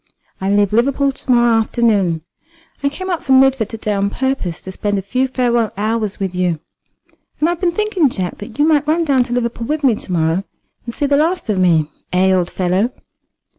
I leave Liverpool to morrow afternoon. I came up from Lidford to day on purpose to spend a few farewell hours with you. And I have been thinking, Jack, that you might run down to Liverpool with me to morrow, and see the last of me, eh, old fellow?"